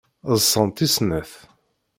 Ḍsant i snat.